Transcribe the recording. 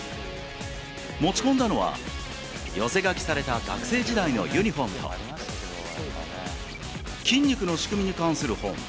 持ち込んだのは、寄せ書きされた学生時代のユニホームと、筋肉の仕組みに関する本。